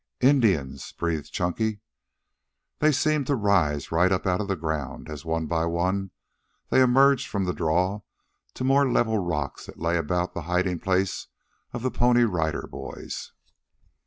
"I n d i a n s!" breathed Chunky. They seemed to rise right up out of the ground, as one by one they emerged from the draw to the more level rocks that lay about the hiding place of the Pony Rider Boys.